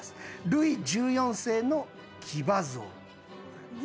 ルイ１４世の騎馬像。